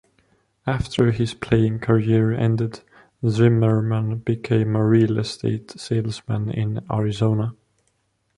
After his playing career ended, Zimmerman became a real estate salesman in Arizona.